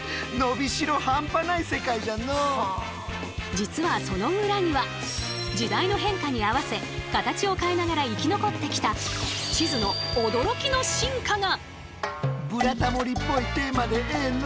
実はその裏には時代の変化に合わせ形を変えながら生き残ってきた地図の驚きの進化が！